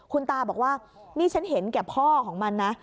คุณตาบอกว่านี่ฉันเห็นแก่พ่อของมันนะ